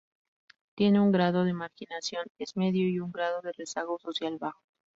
Tiene un grado de marginación es medio y un grado de rezago social bajo.